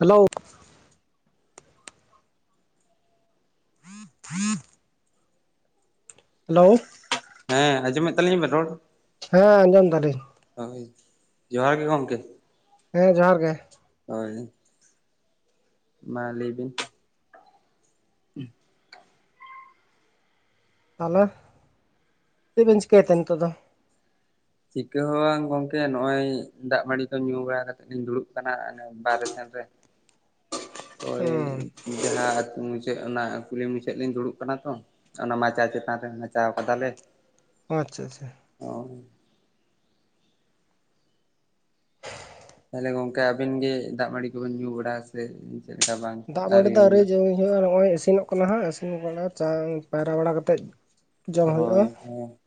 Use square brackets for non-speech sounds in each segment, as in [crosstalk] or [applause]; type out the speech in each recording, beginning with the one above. Hello [inaudible] hello ᱦᱮᱸ ᱟᱸᱡᱚᱢᱮᱫ ᱛᱟᱹᱞᱤᱧ ᱟᱵᱮᱱ ᱨᱚᱲ? ᱦᱮᱸ ᱟᱸᱡᱚᱢ ᱫᱟᱞᱤᱧ᱾ ᱦᱳᱭ ᱡᱚᱦᱟᱨ ᱜᱮ ᱜᱚᱢᱠᱮ᱾ ᱦᱮᱸ ᱡᱚᱦᱟᱨ ᱜᱮ ᱦᱳᱭ ᱢᱟ ᱞᱟᱹᱭ ᱵᱤᱱ [inaudible] ᱛᱟᱦᱚᱞᱮ ᱪᱮᱫ ᱵᱮᱱ ᱪᱤᱠᱟᱹᱭᱛᱮ ᱱᱤᱛᱚᱜ ᱫᱚ? ᱪᱤᱠᱟᱹ ᱦᱚ ᱵᱟᱝ ᱜᱚᱝᱠᱮ ᱱᱚᱜ ᱚᱚᱭ ᱫᱟᱜ ᱢᱟᱲᱤ ᱠᱚ ᱧᱩ ᱵᱟᱲᱟ ᱠᱟᱛᱮᱜ ᱞᱤᱧ ᱫᱩᱲᱩᱵ ᱟᱠᱟᱱᱟ ᱵᱟᱦᱨᱮ ᱥᱮᱫ᱾ [inaudible] [inaudible] ᱳᱭ ᱡᱟᱦᱟᱸ ᱚᱱᱟ ᱠᱩᱞᱤ ᱢᱩᱪᱷᱟᱹᱫ ᱞᱤᱧ ᱫᱩᱲᱩᱵ ᱠᱟᱱᱟ ᱛᱚ ᱚᱱᱟ ᱢᱟᱪᱟᱣ ᱪᱮᱛᱟᱱ ᱨᱮ ᱢᱟᱪᱟᱣ ᱠᱟᱫᱟᱞᱮ᱾ ᱟᱪᱪᱷᱟ ᱟᱪᱪᱷᱟ ᱚ ᱛᱮ ᱜᱚᱝᱠᱮ ᱟᱵᱤᱱ ᱜᱮ ᱫᱟᱜ ᱢᱟᱹᱲᱤ ᱠᱚᱵᱤᱱ ᱧᱩ ᱵᱟᱲᱟ ᱥᱮ ᱪᱮᱫ ᱞᱮᱠᱟ ᱵᱟᱝ ᱫᱟᱜᱢᱟᱹᱲᱤ ᱫᱚ ᱵᱮᱱ ᱟᱹᱣᱨᱤ ᱧᱩ ᱡᱚᱢᱧ ᱦᱩᱭᱩᱜᱼᱟ ᱱᱚᱜᱼᱚᱭ ᱤᱥᱤᱱᱚᱜ ᱠᱟᱱᱟ ᱦᱮ ᱛᱩ ᱚᱱᱟ ᱪᱟᱝ ᱯᱟᱭᱨᱟ ᱵᱟᱲᱟ ᱠᱟᱛᱮᱫ ᱡᱚᱢ ᱦᱩᱭᱩᱜᱼᱟ ᱦᱳᱭ ᱦᱳᱭ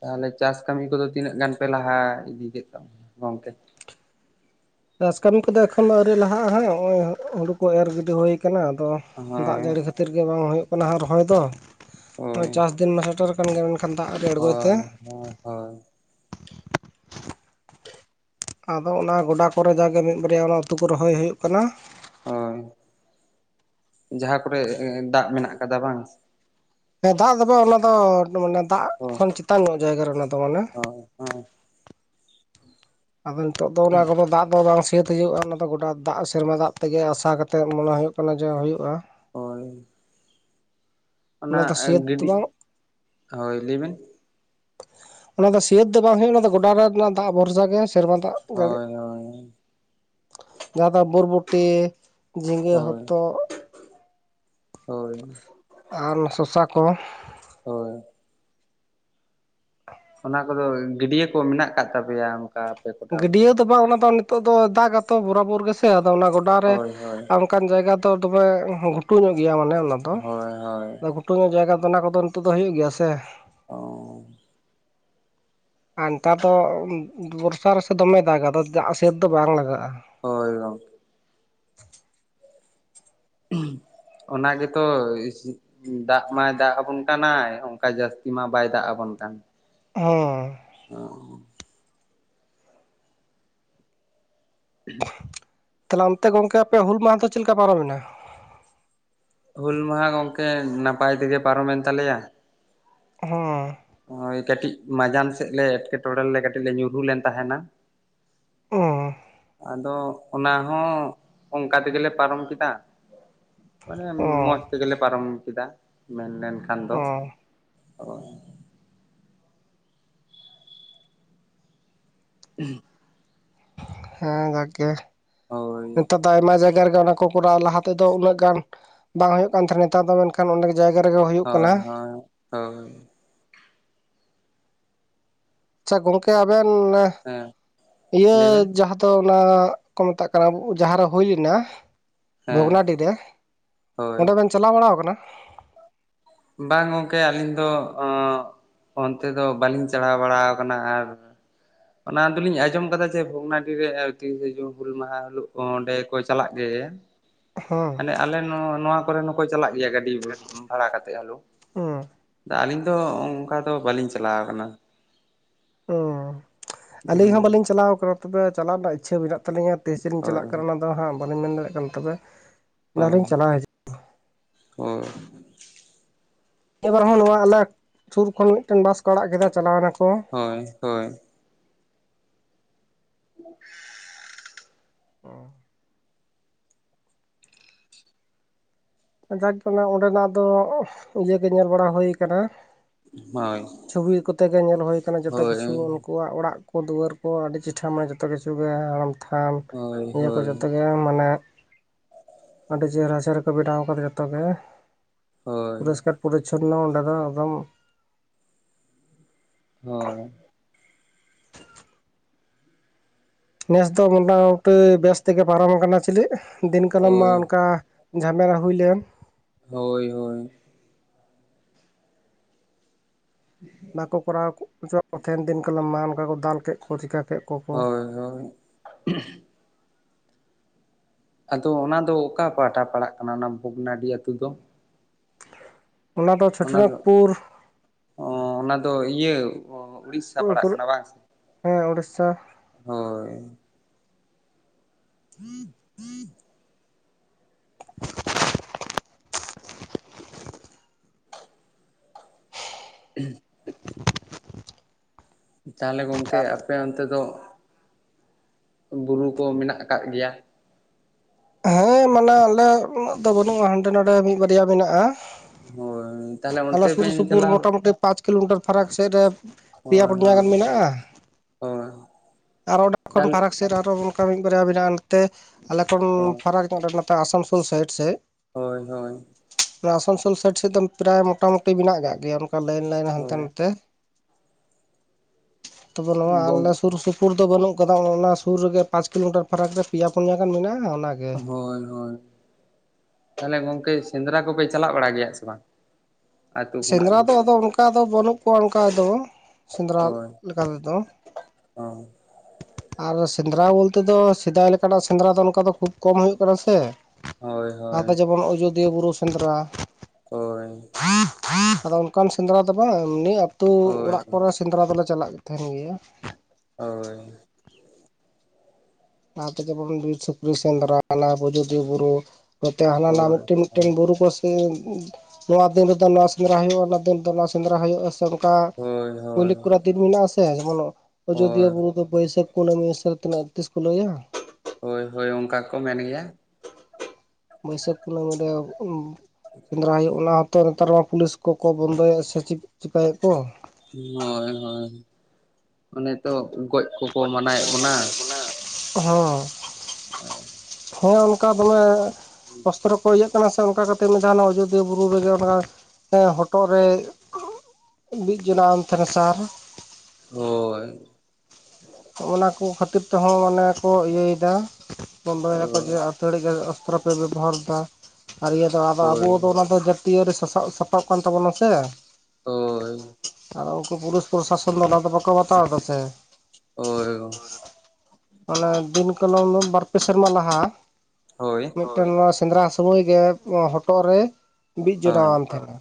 ᱛᱟᱦᱞᱮ ᱪᱟᱥ ᱠᱟᱹᱢᱤ ᱠᱚᱫᱚ ᱛᱤᱱᱟᱹᱜ ᱜᱟᱱ ᱯᱮ ᱞᱟᱦᱟ ᱤᱫᱤ ᱠᱮᱫ ᱛᱟᱵᱱᱟ ᱜᱚᱢᱠᱮ? ᱪᱟᱥ ᱠᱟᱹᱢᱤ ᱠᱚᱫᱚ ᱮᱠᱷᱚᱱ ᱫᱚ ᱟᱣᱨᱤ ᱞᱟᱦᱟᱜᱼᱟ ᱦᱜ ᱱᱚᱜ ᱦᱩᱲᱩ ᱠᱚ ᱮᱨ ᱜᱤᱰᱤ ᱦᱩᱭ ᱟᱠᱟᱱᱟ᱾ ᱟᱫᱚ ᱫᱟᱜ ᱦᱳᱭ ᱡᱟᱹᱲᱤ ᱠᱷᱟᱹᱛᱤᱨ ᱜᱮ ᱵᱟᱝ ᱦᱩᱭᱩᱜ ᱠᱟᱱᱟ ᱦ ᱨᱚᱦᱚᱭ ᱫᱚ ᱦᱳᱭ ᱪᱟᱥ ᱫᱤᱱ ᱢᱟ ᱥᱮᱴᱮᱨ ᱠᱟᱱ ᱜᱮᱭᱟ ᱢᱮᱱᱠᱷᱟᱱ ᱫᱟᱜ ᱟᱹᱣᱨᱤ ᱟᱬᱜᱚᱭ ᱛᱮ ᱦᱳᱭ ᱦᱳᱭ ᱦᱳᱭ ᱟᱫᱚ ᱚᱱᱟ ᱜᱚᱰᱟ ᱠᱚᱨᱮ ᱡᱟᱜᱮ ᱢᱤᱫ ᱵᱟᱨᱭᱟ ᱚᱱᱟ ᱩᱛᱩ ᱠᱚ ᱨᱚᱦᱚᱭ ᱦᱩᱭᱩᱜ ᱠᱟᱱᱟ ᱦᱳᱭ ᱡᱟᱦᱟᱸ ᱠᱚᱨᱮ ᱫᱟᱜ ᱢᱮᱱᱟᱜ ᱠᱟᱫᱟ ᱵᱟᱝ ᱦᱮᱸ ᱫᱟᱜ ᱛᱮᱫᱚ ᱚᱱᱟ ᱫᱚᱟᱱᱮ ᱫᱟᱜ ᱠᱷᱚᱱ ᱪᱮᱛᱟᱱ ᱧᱚᱜ ᱡᱟᱭᱜᱟ ᱨᱮ ᱫᱚ ᱢᱟᱱᱮ ᱦᱳ ᱦᱮᱸ ᱟᱫᱚ ᱱᱤᱛᱚᱜᱜ ᱫᱚ ᱚᱱᱟ ᱠᱚᱫᱚ ᱫᱟᱜ ᱫᱚ ᱵᱟᱝ ᱥᱟᱹᱛ ᱚᱱᱟ ᱜᱚᱴᱟ ᱫᱟᱜ ᱥᱮᱨᱢᱟ ᱫᱟᱜ ᱛᱮᱜᱮ ᱟᱥᱟ ᱠᱟᱛᱮᱜ ᱢᱚᱱᱮ ᱦᱩᱭᱩᱜ ᱠᱟᱱᱟ ᱡᱮ ᱦᱩᱭᱩᱜᱼᱟ [inaudible] ᱦᱳᱭ ᱚᱱᱟ ᱫᱚ ᱥᱟᱹᱛ ᱫᱚ ᱜᱟᱹᱰᱤ ᱵᱟᱝ ᱦᱳᱭ ᱞᱟᱹᱭ ᱵᱮᱱ ᱚᱱᱟ ᱫᱚ ᱥᱤᱭᱟᱹᱟᱹᱛ ᱫᱚ ᱵᱟᱝ ᱦᱩᱭᱩᱜᱼᱟ ᱚᱱᱟ ᱫᱚ ᱜᱚᱰᱟ ᱨᱮᱱᱟᱜ ᱫᱟᱜ ᱵᱷᱚᱨᱥᱟ ᱜᱮ ᱥᱮᱨᱢᱟ ᱫᱟᱜ ᱡᱟᱹᱲᱤ ᱦᱳᱭ ᱦᱳᱭ ᱡᱟᱦᱟᱸ ᱫᱚ ᱵᱩᱨᱵᱚᱴ ᱡᱷᱤᱸᱜᱟᱹ ᱦᱳᱭ ᱦᱚᱛᱚᱫ ᱦᱳᱭ ᱟᱨ ᱚᱱᱟ ᱥᱚᱥᱟ ᱠᱚ ᱦᱳᱭ ᱚᱱᱟ ᱠᱚᱫᱚ ᱜᱟᱹᱰᱭᱟᱹ ᱠᱚ ᱢᱮᱱᱟᱜ ᱟᱠᱟᱫ ᱛᱟᱯᱮᱭᱟ ᱟᱯᱮ ᱴᱚᱴᱷᱟ ᱠᱚᱨᱮ ᱜᱟᱹᱰᱭᱟᱹ ᱫᱚ ᱵᱟᱝ ᱚᱱᱟ ᱫᱚ ᱱᱤᱛᱚᱜ ᱫᱚ ᱫᱟᱜᱟᱛᱚ ᱵᱚᱨᱵᱚᱨ ᱜᱮᱥᱮ ᱟᱫᱚ ᱚᱱᱟ ᱜᱚᱰᱟᱟᱨ ᱨᱮ ᱦᱳᱭ ᱦᱳᱭ ᱚᱱᱠᱟᱱ ᱡᱟᱭᱜᱟ ᱫᱚ ᱫᱚᱢᱮ ᱜᱷᱩᱴᱩ ᱧᱚᱜ ᱜᱮᱭᱟ ᱢᱟᱱᱮ ᱚᱱᱟ ᱫᱚ ᱦᱳᱭ ᱦᱳᱭ ᱜᱷᱩᱴᱩᱝ ᱧᱚᱜ ᱡᱟᱭᱜᱟ ᱫᱚ ᱚᱱᱟ ᱠᱚᱫᱚ ᱱᱤᱛᱚᱜ ᱫᱚ ᱦᱩᱭᱩᱜ ᱜᱮᱭᱟ ᱥᱮ ᱚ-ᱚ ᱟᱨ ᱱᱮᱛᱟᱨ ᱫᱚ ᱵᱚᱨᱥᱟᱨᱮᱥᱮ ᱫᱚᱢᱮ ᱫᱟᱜᱟ ᱫᱟᱜ ᱥᱮᱭᱟᱹᱫ ᱫᱚ ᱵᱟᱝ ᱞᱟᱜᱟᱜᱼᱟ᱾ ᱦᱳᱭ [inaudible] [inaudible] ᱚᱱᱟ ᱜᱮᱛᱚ ᱫᱟᱜ ᱢᱟᱭ ᱫᱟᱜ ᱟᱵᱚᱱ ᱠᱟᱱᱟᱭ ᱚᱱᱠᱟ ᱡᱟᱹᱥᱛᱤ ᱢᱟ ᱵᱟᱭ ᱫᱟᱜ ᱟᱵᱚᱱ ᱚᱱᱠᱟᱱ ᱦᱚᱸ ᱚ [inaudible] ᱛᱟᱦᱞᱮ ᱚᱱᱛᱮ ᱜᱚᱝᱠᱮ ᱟᱯᱮ ᱦᱩᱞ ᱢᱟᱦᱟ ᱫᱚ ᱪᱮᱫᱮ ᱞᱮᱠᱟ ᱯᱟᱨᱚᱢᱮᱱᱟ? ᱦᱩᱞ ᱢᱟᱦᱟ ᱜᱚᱝᱠᱮ ᱱᱟᱯᱟᱭ ᱛᱮᱜᱮ ᱯᱟᱨᱚᱢᱮᱱ ᱛᱟᱞᱮᱭᱟ᱾ ᱦᱚᱸ ᱳᱭ ᱠᱟᱹᱴᱤᱡ ᱢᱟᱡᱟᱱ ᱥᱮᱫ ᱞᱮ ᱮᱸᱴᱠᱮᱴᱚᱬᱮ ᱨᱮ ᱞᱮ ᱠᱟᱹᱴᱤᱡ ᱞᱮ ᱧᱩᱨᱦᱩ ᱞᱮᱱ ᱛᱟᱦᱮᱱᱟ᱾ ᱚ ᱟᱫᱚ ᱚᱱᱟ ᱦᱚᱸ ᱚᱱᱠᱟ ᱛᱮᱜᱮᱞᱮ ᱯᱟᱨᱚᱢ ᱠᱮᱫᱟ᱾ ᱢᱟᱱᱮ ᱚᱸ ᱢᱚᱸᱡᱽ ᱛᱮᱜᱮᱞᱮ ᱯᱟᱨᱚᱢ ᱠᱮᱫᱟ᱾ ᱢᱮᱱᱞᱮᱱ ᱚ ᱚ [inaudible] ᱦᱮᱸ ᱜᱟᱠᱮ ᱦᱳᱭ ᱱᱮᱛᱟᱨ ᱫᱚ ᱟᱭᱢᱟ ᱡᱟᱭᱜᱟ ᱠᱚᱨᱟᱣ ᱞᱟᱦᱟ ᱛᱮᱫᱚ ᱩᱱᱟᱹᱜ ᱜᱟᱱ ᱵᱟᱝ ᱦᱩᱭᱩᱜ ᱠᱟᱱ ᱛᱟᱦᱮᱸᱱᱟ ᱱᱮᱛᱟᱨ ᱫᱚ ᱢᱮᱱᱠᱷᱟᱱ ᱚᱸᱰᱮ ᱦᱳᱭ ᱦᱳᱭ ᱦᱳᱭ ᱟᱪᱪᱷᱟ ᱜᱚᱝᱠᱮ ᱟᱵᱮᱱ ᱦᱮᱸ ᱤᱭᱟᱹ ᱞᱟᱹᱭ ᱵᱮᱱ ᱡᱟᱦᱟᱸ ᱫᱚ ᱚᱱᱟ ᱠᱚ ᱢᱮᱛᱟᱜ ᱠᱟᱱᱟ᱾ ᱡᱟᱦᱟᱸᱨᱮ ᱦᱩᱭ ᱮᱱᱟ ᱦᱮᱸ ᱵᱷᱚᱜᱽᱱᱟᱰᱤ ᱨᱮ ᱦᱳᱭ ᱚᱸᱰᱮ ᱵᱮᱱ ᱪᱟᱞᱟᱣ ᱵᱟᱲᱟ ᱟᱠᱟᱱᱟ? ᱵᱟᱝ ᱜᱚᱝᱠᱮ ᱟᱹᱞᱤᱧ ᱫᱚ ᱩᱸ ᱚᱱᱛᱮ ᱫᱚ ᱵᱟᱹᱞᱤᱧ ᱪᱟᱦᱣ ᱵᱟᱲᱟᱣ ᱠᱟᱱᱟ ᱟᱨ ᱚᱱᱟ ᱫᱚᱞᱤᱧ ᱟᱸᱡᱚᱢ ᱠᱟᱫᱟ ᱡᱮ ᱵᱷᱚᱜᱽᱱᱟᱰᱤ ᱨᱮ ᱛᱤᱨᱤᱥᱮ ᱡᱩᱱ ᱦᱩᱞ ᱢᱟᱦᱟ ᱦᱤᱞᱳᱜ ᱚᱸᱰᱮ ᱠᱚ ᱪᱟᱞᱟᱜ ᱜᱮ ᱛᱮ ᱦᱮᱸ ᱦᱟᱱᱮ ᱟᱞᱮ ᱱᱚᱣᱟ ᱠᱚᱨᱮᱱ ᱦᱚᱸᱠᱚ ᱪᱟᱞᱟᱜ ᱜᱮᱭᱟ ᱜᱟᱹᱰᱤ ᱵᱷᱟᱲᱟ ᱠᱟᱛᱮ ᱛᱮ ᱦᱮᱸ ᱟᱹᱞᱤᱧ ᱫᱚ ᱚᱱᱠᱟ ᱫᱚ ᱵᱟᱹᱞᱤᱧ ᱪᱟᱞᱟᱣ ᱠᱟᱱᱟ᱾ ᱚᱸ ᱟᱹᱞᱤᱧ ᱦᱚᱸ ᱦᱮᱸ ᱵᱟᱹᱞᱤᱧ ᱪᱟᱞᱟᱣ ᱠᱟᱱᱟ ᱛᱚᱵᱮ ᱪᱟᱞᱟᱜᱣ ᱨᱮᱱᱟᱜ ᱤᱪᱪᱷᱟᱹ ᱢᱮᱱᱟᱜ ᱛᱟᱹᱞᱤᱧᱟ ᱛᱮᱥᱮᱫ ᱞᱤᱧ ᱪᱟᱞᱟᱜ ᱦᱳᱭ ᱠᱟᱱᱟ ᱚᱱᱟ ᱫᱚ ᱦᱟᱸᱜ ᱵᱟᱹᱞᱤᱧ ᱢᱮᱱ ᱫᱟᱲᱮᱭᱟᱜ ᱠᱟᱱᱟ᱾ ᱛᱚᱵᱮ ᱦᱳᱭ ᱚᱱᱟᱤᱧ ᱪᱟᱞᱟᱣ ᱦᱤᱡᱩᱜᱼᱟ᱾ ᱦᱳᱭ ᱮᱵᱟᱨ ᱦᱚᱸ ᱱᱚᱣᱟ ᱟᱞᱮ ᱥᱩᱨ ᱠᱷᱚᱱ ᱢᱤᱫᱴᱮᱱ ᱵᱟᱥ ᱟᱲᱟᱜ ᱠᱮᱫᱟ ᱪᱟᱞᱟᱣ ᱮᱱᱟ᱾ ᱦᱳᱭ ᱦᱳᱭ [unintelligible] ᱡᱟᱠᱜᱮ ᱚᱸᱰᱮᱱᱟᱜ ᱫᱚ ᱤᱭᱟᱹᱜᱮ ᱧᱮᱞ ᱵᱟᱲᱟ ᱦᱩᱭ ᱠᱟᱱᱟ᱾ ᱪᱷᱚᱵᱤ ᱠᱚᱛᱮ ᱜᱮ ᱧᱮᱞ ᱦᱩᱭᱩᱭᱟᱠᱱ ᱦᱳᱭ ᱡᱚᱛᱚ ᱦᱳᱭ ᱠᱤᱪᱷᱩ ᱩᱱᱠᱩᱣᱟᱜ ᱚᱲᱟᱜ ᱠᱩ ᱫᱩᱣᱟᱹᱨ ᱠᱚ ᱟᱹᱰᱤ ᱪᱤᱴᱷᱟᱹ ᱢᱟ ᱡᱚᱛᱚ ᱠᱤᱪᱷᱩᱜ ᱜᱮ ᱦᱟᱲᱟᱢ ᱛᱷᱟᱱ ᱦᱳᱭ ᱦᱳᱭ ᱱᱤᱭᱟᱹ ᱠᱚ ᱦᱳᱭ ᱡᱚᱛᱚᱜᱮ ᱢᱟᱱᱮ ᱟᱹᱰᱤ ᱪᱮᱦᱨᱟ ᱪᱮᱦᱨᱟ ᱠᱚ ᱵᱮᱱᱟᱣ ᱠᱟᱫᱟ ᱡᱚᱛᱚ ᱜᱮ ᱦᱳᱭ ᱯᱩᱨᱚᱥᱠᱟᱨ ᱯᱚᱨᱤᱪᱪᱷᱤ ᱱᱚ ᱚᱰᱮᱸ ᱟᱫᱚᱢ ᱦᱳᱭ ᱱᱮᱥ ᱫᱚ ᱢᱚᱴᱟᱢᱩᱴᱤ ᱵᱮᱥ ᱛᱮᱜᱮ ᱯᱟᱨᱚᱢ ᱟᱠᱟᱱᱟ᱾ ᱪᱤᱞᱮᱫ ᱫᱤᱱ ᱠᱟᱞᱢ ᱢᱟ ᱚᱱᱠᱟ ᱡᱷᱟᱢᱮᱲᱟ ᱦᱩᱭ ᱞᱮᱱ ᱦᱳᱭ ᱦᱳᱭ ᱵᱟᱠᱚ ᱠᱚᱨᱟᱣ ᱠᱩ ᱦᱚᱪᱩᱭᱟᱫ ᱠᱚ ᱛᱟᱦᱮᱱ ᱢᱟ ᱫᱤᱱ ᱠᱟᱞᱚᱢ ᱢᱟ ᱚᱱᱠᱟ ᱠᱚ ᱫᱟᱞ ᱠᱮᱫ ᱠᱚ ᱪᱤᱠᱟᱹ ᱦᱳᱭ ᱦᱳᱭ ᱟᱫᱚ ᱚᱱᱟ ᱫᱚ ᱚᱠᱟ ᱯᱟᱦᱴᱟ ᱯᱟᱲᱟᱜ ᱠᱟᱱᱟ ᱚᱱᱟ ᱵᱷᱚᱜᱽᱱᱟᱰᱤ ᱟᱹᱛᱩ ᱫᱚ ᱫᱚ ᱚᱱᱟ ᱫᱚ ᱪᱷᱳᱴᱳᱱᱟᱜᱽᱯᱩᱨ ᱚᱱᱟ ᱫᱚ ᱤᱭᱟᱹ ᱩᱲᱤᱥᱥᱟ ᱯᱟᱲᱟᱜ ᱯᱩᱨ ᱠᱟᱱᱟ ᱵᱟᱝ ᱥᱮ ᱦᱮᱸ ᱩᱲᱤᱥᱥᱟ ᱦᱳᱭ [unintelligible] [unintelligible] ᱛᱟᱦᱚᱞᱮ ᱜᱚᱝᱠᱮ ᱟᱯᱮ ᱚᱱᱛᱮ ᱫᱚ ᱵᱩᱨᱩ ᱠᱚ ᱢᱮᱱᱟᱜ ᱟᱠᱟᱜ ᱜᱮᱭᱟ? ᱦᱮᱸ ᱢᱟᱱᱮ ᱟᱞᱮ ᱩᱱ ᱫᱚ ᱵᱟᱹᱱᱩᱜᱼᱟ᱾ ᱦᱟᱸᱰᱮ ᱱᱟᱰᱮ ᱢᱤᱫ ᱵᱟᱨᱭᱟ ᱢᱮᱱᱟᱜᱼᱟ᱾ ᱦᱳᱭ ᱛᱟᱦᱚᱞᱮ ᱟᱞᱮ ᱚᱱᱛᱮ ᱥᱩᱨ ᱵᱮᱱ ᱥᱩᱯᱩᱨ ᱪᱟᱞᱟᱣ ᱢᱳᱚᱴᱟᱢᱩᱴᱤ ᱯᱟᱸᱪ ᱠᱤᱞᱳᱢᱤᱴᱟᱨ ᱯᱷᱟᱨᱟᱠ ᱥᱮᱫ ᱨᱮ ᱯᱮᱭᱟ ᱦᱳᱭ ᱯᱩᱱᱭᱟ ᱦᱳᱭ ᱜᱟᱱ ᱢᱮᱱᱟᱜᱼᱟ᱾ ᱦᱳᱭ ᱟᱨᱚ ᱚᱸᱰᱮ ᱠᱷᱚᱱ ᱛᱟᱦᱚᱞᱮ ᱯᱷᱟᱨᱟᱠ ᱥᱮᱫ ᱟᱨᱚ ᱵᱚᱱ ᱠᱟ ᱢᱤᱫ ᱵᱟᱨᱭᱟ ᱢᱤᱱᱟᱜ ᱱᱛᱮ ᱟᱞᱮ ᱠᱷᱚᱱ [unintelligible] ᱱᱚᱛᱮ ᱟᱥᱟᱱᱥᱳᱞ ᱥᱟᱭᱤᱰ ᱥᱮᱡ ᱦᱳᱭ ᱦᱳᱭ ᱚᱱᱟ ᱟᱥᱟᱱᱥᱳᱞ ᱥᱟᱭᱤᱰ ᱥᱮᱫ ᱫᱚ ᱯᱨᱟᱭ ᱢᱚᱴᱟᱢᱩᱴᱤ ᱢᱮᱱᱟᱜ ᱠᱟᱜ ᱜᱮᱭᱟ ᱚᱱᱠᱟ ᱞᱟᱭᱤᱱ ᱞᱟᱭᱤᱱ ᱦᱟᱱᱛᱮ ᱦᱳᱭ ᱱᱟᱛᱮ ᱛᱚᱵᱮ ᱱᱚᱣᱟ ᱜᱚᱝ ᱟᱞᱮ ᱥᱩᱨ ᱥᱩᱯ ᱯᱩᱨ ᱫᱚ ᱵᱟᱹᱱᱩᱜ ᱟᱠᱟᱫᱟ ᱚᱱᱟ ᱥᱩᱨ ᱨᱮᱜᱮ ᱯᱟᱸᱪ ᱠᱤᱞᱳᱢᱤᱴᱟᱨ ᱯᱷᱟᱨᱟᱠ ᱨᱮ ᱯᱮᱭᱟ ᱯᱩᱱᱭᱟ ᱜᱟᱱ ᱢᱮᱱᱟᱜᱼᱟ ᱚᱱᱟ ᱦᱳᱭ ᱦᱳᱭ ᱛᱟᱦᱚᱞᱮ ᱜᱚᱝᱠᱮ ᱥᱮᱸᱫᱽᱨᱟ ᱠᱚᱯᱮ ᱪᱟᱞᱟᱜ ᱵᱟᱲᱟ ᱜᱮᱭᱟ ᱥᱮ ᱵᱟᱝ ᱟᱹᱛᱩ ᱠᱷᱚᱱᱟᱜ ᱥᱮᱸᱫᱽᱨᱟ ᱜᱮ ᱫᱚ ᱟᱫᱚ ᱚᱱᱠᱟ ᱫᱚ ᱵᱟᱹᱱᱩᱜ ᱠᱚᱣᱟ ᱚᱱᱠᱟ ᱫᱚ ᱥᱮᱸᱫᱽᱨᱟ ᱦᱳᱭ ᱞᱮᱠᱟ ᱛᱮᱫᱚ ᱦᱳᱭ ᱟᱨ ᱥᱮᱸᱫᱽᱨᱟ ᱵᱚᱞᱛᱮ ᱫᱚ ᱥᱮᱫᱟᱭ ᱞᱮᱠᱟᱱᱟᱜ ᱥᱮᱸᱫᱽᱨᱟ ᱫᱚ ᱚᱱᱠᱟ ᱫᱚ ᱠᱷᱩᱵ ᱠᱚᱢ ᱦᱩᱭᱩᱜ ᱠᱟᱱᱟ ᱥᱮ ᱦᱳᱭ ᱦᱳᱭ ᱮᱣ ᱵᱩᱨᱩ ᱥᱮᱸᱫᱽᱨᱟ ᱦᱳᱭ ᱟᱫᱚ ᱚᱱᱠᱟᱱ ᱥᱮᱸᱫᱽᱨᱟ ᱫᱚ ᱵᱟᱝ ᱮᱢᱱ ᱟᱹᱛᱩ ᱦᱳᱭ ᱦᱳᱭ ᱚᱲᱟᱜ ᱠᱚᱨᱮ ᱥᱮᱸᱫᱽᱨᱟ ᱫᱚᱞᱮ ᱪᱟᱞᱟᱜ ᱛᱟᱦᱮᱱ ᱜᱮᱭᱟ ᱦᱳᱭ ᱚᱱᱟᱛᱮ ᱡᱮᱢᱚᱱ ᱵᱤᱨ ᱥᱩᱠᱨᱤ ᱥᱮᱱᱫᱽᱚᱨᱟ ᱚᱱᱟ ᱟᱡᱳᱫᱤᱭᱟᱹ ᱵᱩᱨᱩ ᱛᱮ ᱦᱟᱱᱟ ᱦᱳᱭ ᱦᱳᱭ ᱢᱤᱫᱴᱮᱱ ᱢᱤᱫᱴᱮᱱ ᱵᱩᱨᱩ ᱠᱚ ᱱᱚᱣᱟ ᱫᱤᱱ ᱨᱮᱫᱚ ᱱᱚᱣᱟ ᱥᱮᱸᱫᱽᱨᱟ ᱦᱩᱭᱩᱜᱼᱟ ᱚᱱᱟ ᱫᱤᱱ ᱨᱮᱫᱚ ᱱᱚᱣᱟ ᱥᱮᱸᱫᱽᱨᱟ ᱦᱩᱭᱩᱜᱼᱟ ᱥᱮ ᱜᱚᱴᱟ ᱦᱳᱭ ᱢᱚᱞᱤᱠ ᱠᱚᱨᱟ ᱫᱤᱱ ᱢᱮᱱᱟᱜ ᱟᱥᱮ ᱡᱮᱢᱚᱱ ᱟᱡᱚᱫᱤᱭᱟᱹ ᱦᱳᱭ ᱵᱩᱨᱩ ᱫᱚ ᱵᱟᱹᱭᱥᱟᱹᱠᱷ ᱠᱩᱱᱟᱹᱢᱤ ᱥᱟᱨ ᱛᱤᱱᱟᱹᱜ ᱛᱤᱥ ᱠᱚ ᱞᱟᱹᱭᱟ ᱦᱳᱭ ᱦᱳᱭ ᱚᱱᱠᱟᱠᱚ ᱢᱮᱱ ᱜᱮᱭᱟ ᱵᱟᱹᱭᱥᱟᱹᱠᱷ ᱠᱩᱱᱟᱹᱢᱤᱨᱮ ᱥᱮᱸᱫᱽᱨᱟ ᱦᱩᱭᱩᱜ ᱚᱱᱟ ᱛᱚ ᱱᱮᱛᱟᱨ ᱢᱟ ᱯᱩᱞᱤᱥ ᱠᱚᱠᱚ ᱵᱚᱱᱫᱚᱭᱮᱫ ᱥᱮ ᱪᱮᱤᱠᱟᱭᱮᱫ ᱠᱚ ᱦᱳᱭ ᱦᱳᱭ ᱚᱱᱮᱛᱚ ᱜᱚᱡ ᱠᱚᱠᱚ ᱢᱟᱱᱟᱣᱭᱮᱫ ᱵᱚᱱᱟ ᱦᱚᱸ ᱦᱳ [inaudible] ᱦᱮᱸ ᱚᱱᱠᱟ ᱫᱚᱢᱮ ᱚᱥᱛᱨᱚ ᱠᱚ ᱤᱭᱟᱹᱜ ᱠᱟᱱᱟ ᱥᱮ ᱚᱱᱠᱟ ᱠᱟᱛᱮᱫ ᱢᱤᱫ ᱫᱷᱟᱣ ᱟᱡᱚᱫᱤᱭᱟᱹ ᱵᱩᱨᱩ ᱨᱮᱜᱮ ᱚᱱᱟ ᱦᱚᱴᱚᱜ ᱨᱮ ᱢᱤᱫ ᱡᱚᱱᱟᱢ ᱛᱟᱦᱮᱱᱟ ᱥᱟᱨ ᱦᱳᱭ ᱚᱱᱟ ᱠᱚ ᱠᱷᱟᱹᱛᱤᱨ ᱛᱮᱦᱚᱸ ᱢᱟᱱᱮ ᱠᱚ ᱤᱭᱟᱹᱭᱮᱫᱟ ᱵᱚᱱᱫᱚᱭᱮᱫᱟ ᱦᱳᱭ ᱡᱮ ᱟᱹᱛᱷᱟᱹᱲᱤ ᱚᱥᱛᱨᱚ ᱯᱮ ᱵᱮᱵᱚᱦᱟᱨ ᱫᱟ ᱟᱨ ᱤᱭᱟᱹ ᱫᱚ ᱟᱵᱚ ᱦᱳᱭ ᱫᱚ ᱚᱱᱟ ᱡᱟᱹᱛᱤᱭᱟᱹᱨᱤ ᱥᱟ ᱥᱟᱯᱟᱵ ᱠᱟᱱ ᱛᱟᱵᱚᱱᱟ ᱥᱮ ᱦᱳᱭ ᱟᱨ ᱩᱱᱠᱩ ᱯᱩᱞᱤᱥ ᱯᱨᱚᱥᱟᱥᱚᱱ ᱫᱚ ᱚᱱᱟ ᱫᱚ ᱵᱟᱠᱚ ᱵᱟᱛᱟᱣ ᱮᱫᱟ ᱥᱮ ᱳᱭ ᱢᱟᱱᱮ ᱫᱤᱱ ᱠᱟᱞᱚᱢ ᱫᱚ ᱵᱟᱨᱯᱮ ᱥᱮᱨᱢᱟ ᱞᱟᱦᱟ ᱦᱳᱭ ᱢᱤᱫᱴᱮᱱ ᱱᱚᱣᱟ ᱥᱮᱸᱫᱽᱨᱟ ᱥᱚᱢᱚᱭ ᱜᱮ ᱦᱚᱴᱚᱜ ᱨᱮ ᱵᱤᱫ ᱦᱳᱭ ᱡᱚᱱᱟᱣᱟᱱ ᱛᱟᱸᱦᱮᱱᱟ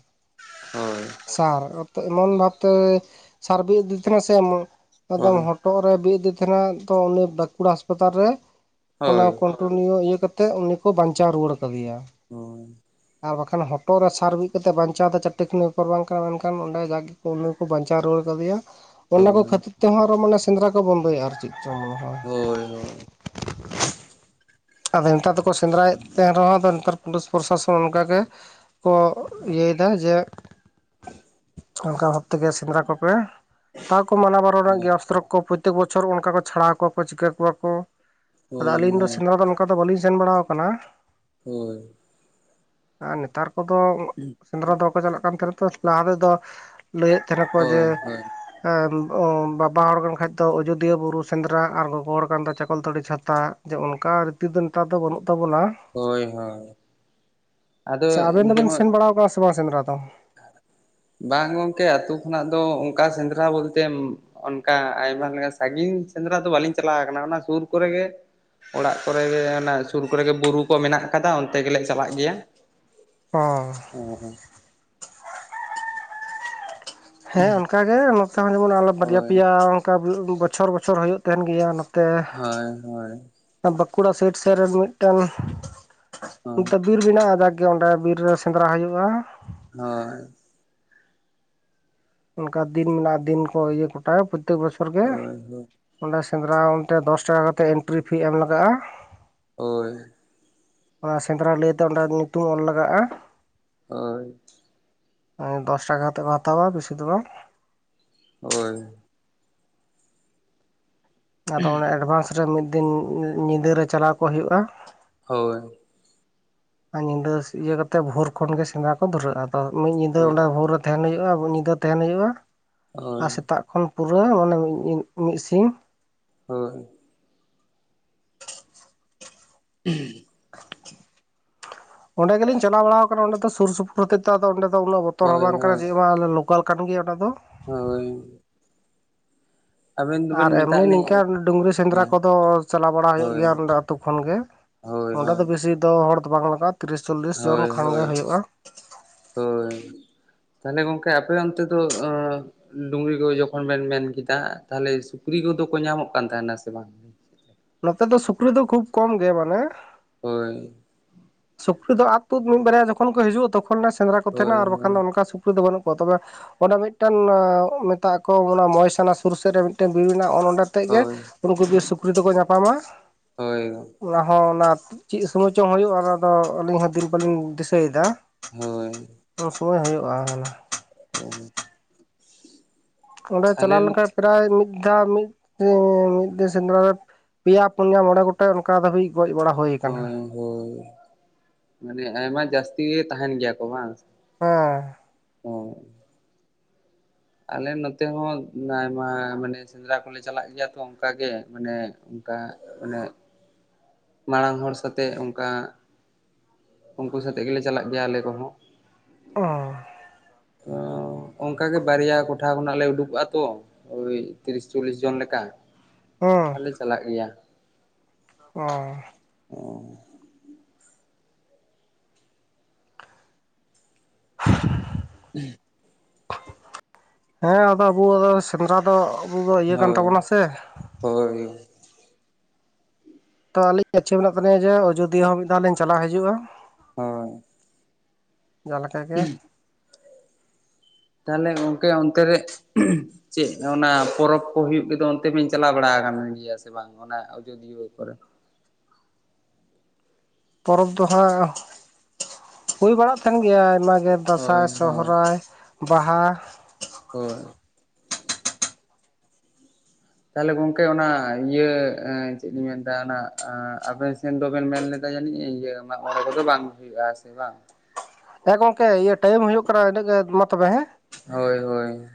ᱦᱳᱭ ᱥᱟᱨ ᱮᱢᱚᱱ ᱵᱷᱟᱵᱛᱮ ᱥᱟᱨ ᱵᱤᱫ ᱫᱤ ᱛᱟᱦᱮᱱᱟ ᱥᱮ ᱮᱠᱫᱚᱢ ᱦᱳᱭ ᱦᱚᱴᱚᱜ ᱨᱮ ᱵᱤᱫ ᱫᱤ ᱱᱟ ᱛᱚ ᱩᱱᱤ ᱵᱟᱸᱠᱩᱲᱟ ᱦᱟᱸᱥᱯᱟᱛᱟᱞ ᱨᱮ ᱦᱳᱭ ᱚᱱᱟ ᱠᱚᱱᱴᱤᱱᱤᱭ ᱤᱭᱟᱹ ᱠᱟᱛᱮ ᱩᱱᱤ ᱠᱚ ᱵᱟᱧᱪᱟᱣ ᱨᱩᱣᱟᱹᱲ ᱟᱠᱟᱫᱮᱭᱟ ᱦᱳᱭ ᱟᱨ ᱮᱠᱷᱟᱱ ᱦᱚᱴᱚᱜ ᱨᱮ ᱥᱟᱨ ᱵᱤᱫ ᱠᱟᱛᱮᱫ ᱵᱟᱧᱪᱟᱣ ᱫᱚ ᱪᱟᱴᱴᱤ ᱠᱷᱟᱱᱤ ᱵᱮᱯᱟᱨ ᱵᱟᱝ ᱠᱟᱱᱟ ᱢᱮᱱᱠᱷᱟᱱ ᱚᱸᱰᱮ ᱡᱟᱜ ᱩᱱ ᱠᱚ ᱵᱟᱧᱪᱟᱣ ᱨᱩᱭᱣᱟᱹᱲ ᱟᱠᱟᱫᱮᱭᱟ ᱦᱳᱭ ᱚᱱᱟ ᱠᱚ ᱦᱳᱭ ᱠᱷᱟᱹᱛᱤᱨ ᱛᱮᱦᱚᱸ ᱟᱨᱚ ᱢᱟᱱᱮ ᱥᱮᱸᱫᱽᱨᱟ ᱠᱚ ᱵᱚᱱᱫᱚᱭᱟ ᱟᱨ ᱪᱮᱫ ᱪᱚᱝ ᱦᱚᱭ ᱦᱳᱭ ᱦᱳᱭ ᱟᱫᱚ ᱱᱮᱛᱟᱨ ᱫᱚᱠᱚ ᱥᱮᱸᱫᱽᱨᱟᱭᱮᱫ ᱛᱟᱦᱮᱱ ᱨᱮᱦᱚᱸ ᱫᱚ ᱱᱮᱛᱟᱨ ᱯᱩᱞᱤᱥ ᱯᱨᱚᱨᱚᱥᱟᱥᱚᱱ ᱚᱱᱠᱟᱜ ᱜᱮ ᱠᱚ ᱤᱭᱟᱹᱭᱮᱫᱟ ᱡᱮ ᱚᱱᱠᱟ ᱵᱷᱟᱵ ᱛᱮᱜᱮ ᱥᱮᱸᱫᱽᱨᱟ ᱠᱚᱯᱮ ᱛᱟᱣᱠᱚ ᱢᱟᱱᱟᱣ ᱵᱟᱨᱚ ᱨᱮᱱᱟᱜ ᱜᱮᱭᱟ ᱚᱥᱛᱨᱚ ᱯᱨᱚᱛᱛᱮᱠ ᱵᱚᱪᱷᱚᱨ ᱚᱱᱠᱟ ᱠᱚ ᱪᱷᱟᱲᱟᱣ ᱠᱚᱣᱟ ᱠᱚ ᱪᱤᱠᱟᱹ ᱠᱚᱣᱟ ᱠᱚ ᱟᱫᱚ ᱦᱳᱭ ᱟᱞᱤᱧ ᱫᱚ ᱥᱮᱸᱫᱽᱨᱟ ᱫᱚ ᱚᱱᱠᱟ ᱫᱚ ᱵᱟᱹᱞᱤᱧ ᱥᱮᱱ ᱵᱟᱲᱟ ᱟᱠᱟᱱᱟ ᱦᱳᱭ ᱟᱨ ᱱᱮᱛᱟᱨ ᱠᱚᱫᱚ ᱥᱮᱸᱫᱽᱨᱟ ᱫᱚ ᱵᱟᱠᱚ ᱪᱟᱞᱟᱜ ᱠᱟᱱ ᱛᱟᱦᱮᱸᱱᱟ ᱛᱚ ᱞᱟᱦᱟ ᱛᱮᱫ ᱫᱚ ᱞᱟᱹᱭᱮᱫ ᱛᱟᱦᱮᱱᱟᱠᱚ ᱡᱮ ᱦᱳᱭ ᱵᱟᱵᱟ ᱦᱚᱲ ᱠᱟᱱ ᱠᱷᱟᱡ ᱫᱚ ᱟᱡᱚᱫᱤᱭᱟᱹ ᱵᱩᱨᱩ ᱥᱮᱸᱫᱽᱨᱟ ᱟᱨ ᱜᱚᱜᱚ ᱦᱚᱲ ᱠᱟᱱ ᱫᱚ ᱪᱟᱠᱚᱞᱛᱟᱹᱲᱤ ᱪᱷᱟᱛᱟ ᱡᱮ ᱚᱱᱠᱟ ᱛᱤ ᱫᱚ ᱱᱮᱛᱟᱨ ᱫᱚ ᱵᱩᱜᱫᱟ ᱵᱚᱞᱟ ᱦᱳᱭ ᱦᱳᱭ ᱟᱫᱚ ᱟᱪᱪᱷᱟ ᱟᱵᱮᱱ ᱫᱚᱵᱮᱱ ᱡᱮᱢᱚᱱ ᱥᱮᱱ ᱵᱟᱲᱟᱣ ᱠᱟᱱᱟ ᱥᱮ ᱵᱟᱝ ᱥᱮᱸᱫᱽᱨᱟ ᱫᱚ [inaudible] ᱵᱟᱝ ᱜᱚᱝᱠᱮ ᱟᱹᱛᱩ ᱠᱷᱚᱱᱟᱜ ᱫᱚ ᱚᱱᱠᱟ ᱥᱮᱸᱫᱽᱨᱟ ᱵᱚᱞᱛᱮ ᱚᱱᱠᱟ ᱟᱭᱢᱟ ᱞᱮᱠᱟ ᱥᱟᱺᱜᱤᱧ ᱧ ᱥᱮᱫᱽᱨᱟ ᱫᱚ ᱵᱟᱞᱤᱧ ᱪᱟᱞᱟᱣ ᱠᱟᱱᱟ ᱚᱱᱟ ᱥᱩᱨ ᱠᱚᱨᱮ ᱜᱮ ᱚᱲᱟᱜ ᱠᱚᱨᱮᱜᱮ ᱚᱱᱟ ᱥᱩᱨ ᱠᱚᱨᱮᱜᱮ ᱵᱩᱨᱩ ᱠᱚ ᱢᱮᱱᱟᱜ ᱠᱟᱫᱟ ᱚᱱᱛᱮ ᱜᱮᱞᱮ ᱪᱟᱞᱟᱜ ᱜᱮᱭᱟ ᱚ ᱦᱮᱸ ᱦᱮᱸ ᱦᱮᱸ ᱚᱱᱠᱟᱜᱮ ᱱᱚᱛᱮ ᱦᱚᱸ ᱡᱮᱢᱚᱱ ᱟᱞᱚ ᱵᱟᱨᱭᱟ ᱦᱳᱭ ᱯᱮᱭᱟ ᱚᱱᱠᱟ ᱵᱚᱪᱷᱚᱨ ᱵᱚᱪᱷᱚᱨ ᱦᱩᱭᱩᱜ ᱛᱟᱦᱮᱱ ᱜᱮᱭᱟ᱾ ᱦᱳᱭ ᱦᱳᱭ ᱵᱟᱸᱠᱩᱲᱟ ᱥᱟᱭᱤᱴ ᱥᱮᱫ ᱨᱮᱱ ᱦᱳᱭ ᱢᱤᱫᱴᱮᱱ ᱵᱤᱨ ᱢᱮᱱᱟᱜᱼᱟ ᱡᱟᱜ ᱜᱮ ᱚᱸᱰᱮ ᱵᱤᱨ ᱨᱮ ᱥᱮᱸᱫᱽᱨᱟ ᱦᱩᱭᱩᱜᱼᱟ ᱦᱳᱭ ᱚᱱᱠᱟ ᱫᱤᱱ ᱢᱮᱱᱟᱜᱼᱟ ᱫᱤᱱ ᱠᱚ ᱤᱭᱟᱹ ᱠᱚᱴᱟᱭᱟ ᱯᱨᱚᱛᱛᱮᱠ ᱵᱚᱪᱷᱚᱨ ᱜᱮ ᱦᱳᱭ ᱚᱸᱰᱮ ᱥᱮᱸᱫᱽᱨᱟ ᱚᱱᱛᱮ ᱫᱚᱥ ᱴᱟᱠᱟ ᱠᱟᱛᱮᱫ ᱮᱱᱴᱨᱤ ᱯᱷᱤ ᱮᱢ ᱞᱟᱜᱟᱜᱼᱟ᱾ ᱦᱳᱭ ᱚᱱᱟ ᱥᱮᱸᱫᱽᱨᱟ ᱞᱟᱹᱭᱛᱮ ᱚᱸᱰᱮ ᱧᱩᱛᱩᱢ ᱚᱞ ᱞᱟᱜᱟᱜᱼᱟ᱾ ᱦᱳᱭ ᱫᱚᱥ ᱴᱟᱠᱟ ᱠᱟᱛᱮᱫ ᱠᱚ ᱦᱟᱛᱟᱣᱟ ᱵᱮᱥᱤ ᱫᱚ ᱵᱟᱝ ᱦᱳᱭ ᱟᱫᱚ ᱚᱱᱟ ᱮᱰᱵᱷᱟᱱᱥ ᱨᱮ ᱢᱤᱫ ᱫᱤᱱ ᱧᱤᱫᱟᱹᱨᱮ ᱪᱟᱞᱟᱣ ᱠᱚ ᱦᱩᱭᱩᱜᱼᱟ᱾ ᱦᱳᱭ ᱟᱨ ᱧᱤᱫᱟᱹ ᱤᱭᱟᱹ ᱠᱟᱛᱮ ᱵᱷᱳᱨ ᱠᱷᱚᱱᱜ ᱜᱮ ᱥᱮᱸᱫᱽᱨᱟ ᱠᱚ ᱫᱷᱩᱨᱟᱹᱜᱼᱟ ᱟᱫᱚ ᱢᱤᱫ ᱧᱤᱫᱟᱹ ᱦᱳᱭ ᱚᱸᱰᱮ ᱵᱷᱳᱨ ᱨᱮ ᱛᱟᱦᱮᱱ ᱦᱩᱭᱩᱜᱼᱟ᱾ ᱧᱤᱫᱟᱹ ᱛᱟᱦᱮᱱ ᱦᱩᱭᱩᱜᱼᱟ ᱟᱨ ᱥᱮᱛᱟᱜ ᱠᱷᱚᱱ ᱯᱩᱨᱟᱹ ᱢᱟᱱᱮ ᱢᱤᱫ ᱢᱤᱫ ᱥᱤᱧ ᱦᱳᱭ [unintelligible] ᱚᱸᱰᱮ ᱜᱮᱞᱤᱧ ᱪᱟᱞᱟᱣ ᱵᱟᱲ ᱠᱟᱱᱟ ᱚᱸᱰᱮ ᱫᱚ ᱥᱩᱨᱼ ᱥᱩᱯᱩᱨ ᱦᱚᱛᱮ ᱫᱚ ᱚᱸ ᱫᱚ ᱩᱱᱟᱹᱜ ᱵᱚᱛᱚᱨ ᱦᱚᱸ ᱦᱳᱭ ᱵᱟᱝ ᱠᱟᱱᱟ ᱦᱳᱭ ᱪᱮᱫ ᱢᱟ ᱟᱮ ᱞᱳᱠᱟᱞ ᱠᱟᱱ ᱜᱮᱭᱟ ᱚᱱᱟ ᱫᱚ ᱦᱳᱭ ᱟᱵᱮᱱ ᱟᱨ ᱫᱚᱵᱮᱱ ᱮᱢᱱᱤ ᱢᱮᱛᱟᱜ ᱱᱤᱝᱠᱟᱹ ᱞᱤᱧᱟᱹ ᱰᱩᱝᱨᱤ ᱥᱮᱸᱫᱽᱨᱟ ᱦᱮᱸ ᱠᱚᱫᱚ ᱪᱟᱞᱟᱣ ᱵᱟᱲᱟ ᱦᱩᱭᱩᱜ ᱦᱳᱭ ᱜᱮᱭᱟ ᱟᱹᱛᱩ ᱠᱷᱚᱱ ᱜᱮ ᱦᱳᱭ ᱚᱸᱰᱮ ᱫᱚ ᱦᱳᱭ ᱵᱮᱥᱤ ᱫᱚ ᱦᱚᱲ ᱫᱚ ᱵᱟᱝ ᱞᱟᱜᱟᱜ ᱛᱤᱨᱤᱥ ᱪᱚᱞᱞᱤᱥ ᱡᱚᱱ ᱦᱳᱭ ᱠᱷᱚᱱ ᱜᱮ ᱦᱳᱭ ᱦᱩᱭᱩᱜᱼᱟ᱾ ᱛᱟᱦᱞᱮ ᱜᱚᱝᱠᱮ ᱟᱯᱮ ᱚᱱᱛᱮ ᱫᱚ ᱰᱩᱝᱨᱤ ᱜᱚᱜᱚ ᱡᱚᱠᱷᱚᱱ ᱵᱮᱱ ᱢᱮᱱ ᱠᱮᱫᱟ ᱛᱟᱦᱚᱞᱮ ᱥᱩᱠᱨᱤ ᱫᱚᱠᱚ ᱧᱟᱢᱚᱜ ᱠᱟᱱ ᱛᱟᱦᱮᱱᱟ ᱥᱮ ᱵᱟᱝ ᱱᱚᱛᱮ ᱫᱚ ᱥᱩᱠᱨᱤ ᱫᱚ ᱠᱷᱩᱵ ᱠᱚᱢ ᱜᱮ ᱢᱟᱱᱮ ᱦᱳᱭ ᱥᱩᱠᱨᱤ ᱫᱚ ᱟᱫ ᱛᱩᱫ ᱢᱤᱫ ᱵᱟᱨᱭᱟ ᱡᱚᱠᱷᱚᱱ ᱠᱚ ᱦᱤᱡᱩᱜᱼᱟ ᱛᱚᱠᱷᱚᱱᱮ ᱥᱮᱸᱫᱽᱨᱟ ᱠᱚ ᱛᱟᱦᱮᱱᱟ ᱦᱳᱭ ᱟᱨ ᱵᱟᱠᱷᱟᱱ ᱫᱚ ᱚᱱᱠᱟ ᱥᱩᱠᱨᱤ ᱫᱚ ᱵᱟᱹᱱᱩᱜ ᱠᱚᱣᱟ ᱛᱚᱵᱮ ᱚᱸᱰᱮ ᱢᱤᱫᱴᱟᱝ ᱢᱮᱛᱟᱜ ᱠᱚ ᱚᱱᱟ ᱢᱚᱭᱥᱟᱱᱟ ᱥᱩᱨ ᱥᱮᱫ ᱨᱮ ᱢᱤᱫᱴᱟᱝ ᱵᱤᱨ ᱦᱮᱱᱟ ᱟᱛᱮᱫ ᱜᱮ ᱦᱳᱭ ᱩᱱᱠᱩ ᱵᱤᱨ ᱥᱩᱠᱨᱤ ᱫᱚᱠᱚ ᱧᱟᱯᱟᱢᱟ ᱦᱳᱭ ᱚᱱᱟ ᱦᱚᱸ ᱚᱱᱟ ᱪᱮᱫ ᱥᱚᱢᱚᱭ ᱪᱚᱝ ᱦᱩᱭᱩᱜᱼᱟ ᱚᱱᱟᱫᱚ ᱟᱹᱞᱤᱧ ᱦᱚᱸ ᱫᱤᱱ ᱵᱟᱞᱤᱧ ᱫᱤᱥᱟᱹᱭᱮᱫᱟ ᱦᱳᱭ ᱩᱱ ᱥᱚᱢᱚᱭ ᱦᱩᱭᱩᱜᱼᱟ ᱦᱮᱸ ᱚᱸᱰᱮ ᱪᱟᱞᱟᱣ ᱞᱮᱱᱠᱟᱱᱡ ᱯᱨᱟᱭ ᱢᱤᱫ ᱢᱤᱫ ᱫᱷᱟ ᱢᱤᱫ ᱢᱤᱫ ᱫᱤᱱ ᱥᱮᱸᱫᱽᱨᱟ ᱨᱮ ᱯᱮᱭᱟ ᱯᱩᱱᱭᱟ ᱢᱚᱬᱮ ᱜᱚᱴᱮᱡ ᱚᱱᱠᱟ ᱫᱚ ᱦᱩᱭ ᱜᱚᱡ ᱵᱟᱲᱟ ᱦᱩᱭ ᱟᱠᱟᱱᱟ ᱦᱳᱭ ᱦᱳᱭ ᱢᱟᱱᱮ ᱟᱭᱢᱟ ᱡᱟᱹᱥᱛᱤ ᱛᱟᱦᱮᱱ ᱜᱮᱭᱟ ᱠᱚ ᱵᱟᱝ ᱦᱮᱸ ᱦᱚᱸ ᱟᱞᱮ ᱱᱚᱛᱮ ᱦᱚᱸ ᱟᱭᱢᱟ ᱢᱟᱱᱮ ᱥᱮᱸᱫᱽᱨᱟ ᱠᱚᱞᱮ ᱪᱟᱞᱟᱜ ᱜᱮᱭᱟ ᱛᱚ ᱚᱱᱠᱟᱜᱮ ᱢᱟᱱᱮ ᱚᱱᱠᱟ ᱮ ᱢᱟᱲᱟᱝ ᱦᱚᱲ ᱥᱟᱛᱮᱜ ᱚᱱᱠᱟ ᱩᱱᱠᱩ ᱥᱟᱛᱮᱜ ᱜᱮᱞᱮ ᱪᱟᱞᱟᱜ ᱜᱮᱭᱟ ᱟᱞᱮ ᱠᱚᱦᱚᱸ ᱚ ᱚ ᱚᱱᱠᱟᱜᱮ ᱵᱟᱨᱭᱟ ᱠᱚᱴᱷᱟ ᱠᱷᱚᱱᱟᱜ ᱞᱮ ᱩᱰᱩᱠᱚᱜᱼᱟ ᱛᱚ ᱳᱭ ᱛᱤᱨᱤᱥ ᱪᱚᱞᱞᱤᱥ ᱡᱚᱱ ᱞᱮᱠᱟ᱾ ᱟᱞᱮ ᱪᱟᱞᱟᱜ ᱜᱮᱭᱟ᱾ ᱚ ᱦᱮᱸ ᱦᱮᱸ ᱟᱫᱚ ᱟᱵᱚ ᱥᱮᱸᱫᱽᱨᱟ ᱫᱚ ᱟᱵᱚ ᱫᱚ ᱤᱭᱟᱹ ᱠᱟᱱ ᱦᱳᱭ ᱛᱟᱵᱚᱱᱟ ᱥᱮ ᱦᱳᱭ ᱛᱚ ᱟᱹᱞᱤᱧ-ᱟ ᱤᱪᱟᱹ ᱢᱮᱱᱟᱜ ᱛᱟᱹᱤᱧᱟ ᱡᱮ ᱟᱡᱚᱫᱫᱤᱭᱟᱹ ᱦᱚᱸ ᱢᱤᱫ ᱫᱷᱟᱣ ᱞᱤᱧ ᱪᱟᱟᱜᱣ ᱦᱤᱡᱩᱜᱼᱟ᱾ ᱦᱳᱭ ᱡᱟ ᱞᱮᱠᱟᱜᱮ ᱛᱟᱦᱚᱞᱮ ᱜᱚᱝᱠᱮ ᱚᱱᱛᱮ ᱨᱮ ᱪᱮᱫ ᱚᱱᱟ ᱯᱚᱨᱚᱵᱽ ᱠᱚ ᱦᱩᱭᱩᱜ ᱛᱚ ᱚᱱᱛᱮ ᱢᱟᱧ ᱪᱟᱞᱟᱣ ᱵᱟᱲᱟ ᱜᱤᱭᱟᱹᱮ ᱵᱟᱝ ᱚᱱᱟ ᱟᱡᱽᱫᱤᱭᱟᱹ ᱠᱚᱨᱮ [inaudible] ᱯᱚᱨᱚᱵᱽ ᱫᱚᱦᱟᱸᱜ ᱦᱩᱭ ᱵᱟᱲᱟᱜ ᱛᱟᱦᱮᱱ ᱜᱮᱭᱟ᱾ ᱟᱭᱢᱟ ᱟᱜ ᱦᱳᱭ ᱫᱟᱸᱥᱟᱭ, ᱦᱳᱭ ᱥᱚᱦᱟᱨᱟᱭ, ᱵᱟᱦᱟ ᱦᱳᱭ ᱛᱟᱦᱞᱮ ᱜᱚᱝᱠᱮ ᱚᱱᱟ ᱤᱭᱟᱹ ᱪᱮᱫ ᱤᱧ ᱢᱮᱱᱫᱟ ᱚᱱᱟ ᱟᱵᱮᱱ ᱥᱮᱱ ᱫᱚᱵᱮᱱ ᱢᱮᱱ ᱞᱮᱫᱟ᱾ ᱡᱟᱹᱱᱤᱡ ᱤᱭᱟᱹ ᱢᱟᱜ ᱢᱬᱮ ᱠᱚᱫᱚ ᱵᱟᱝ ᱦᱩᱭᱩᱜᱼᱟ ᱥᱮ ᱵᱟᱝ ᱦᱮᱸ ᱜᱚᱝᱠᱮ ᱤᱭᱟᱹ ᱴᱟᱭᱤᱢ ᱦᱩᱭᱩᱜ ᱠᱟᱱᱟ ᱤᱱᱟᱹᱜ ᱜᱮ ᱢᱟ ᱛᱚᱵᱮ ᱦᱮᱸ ᱦᱳᱭ ᱦᱳᱭ